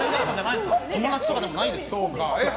友達とかでもないです。